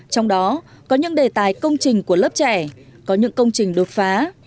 trong đó có những đề tài công trình của lớp trẻ có những công trình đột phá